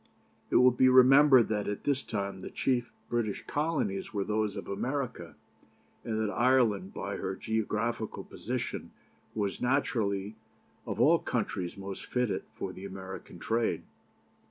It will be remembered that at this time the chief British Colonies were those of America, and that Ireland, by her geographical position, was naturally of all countries most fitted for the American trade.